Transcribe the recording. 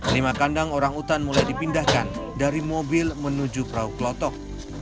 lima kandang orang utan mulai dipindahkan dari mobil menuju perahu klotok